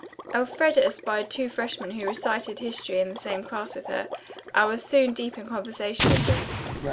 Elfreda espied two freshmen who recited history in the same class with her and was soon deep in conversation with them.